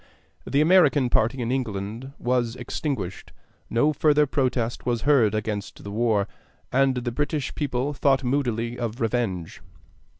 The American party in England was extinguished; no further protest was heard against the war; and the British people thought moodily of revenge.